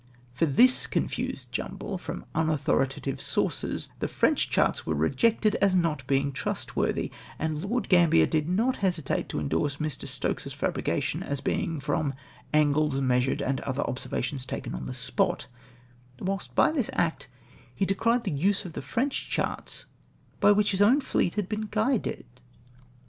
For this confused jumble ft'oni unauthoritative sources, the French charts were rejected as not being trustworthy, and Lord Gambler did not hesitate to endorse Mr. Stokes's flibrication as being " from angles measured and other observations taken on the spot ;" whilst by this act he decried the use of the French charts by which liis own fleet had been guided